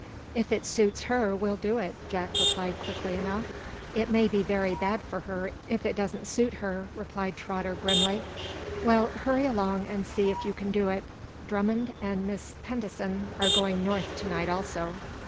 "If it suits her, we'll do it," Jack replied quickly enough. "It may be very bad for her if it doesn't suit her," replied Trotter, grimly. "Well, hurry along and see if you can do it. Drummond and Miss Peddensen are going north to night, also."